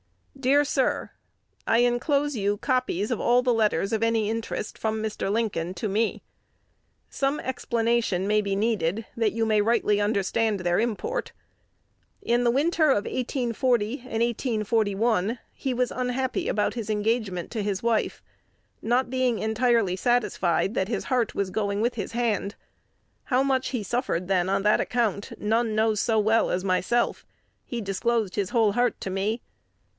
Dear Sir, I enclose you copies of all the letters of any interest from Mr. Lincoln to me. Some explanation may be needed, that you may rightly understand their import. In the winter of 1840 and 1841 he was unhappy about his engagement to his wife, not being entirely satisfied that his heart was going with his hand. How much he suffered then on that account, none know so well as myself: he disclosed his whole heart to me.